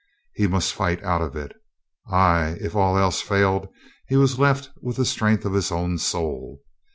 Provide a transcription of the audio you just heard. He must fight out of it. ... Ay, if all else failed, he was left with the strength of his own soul.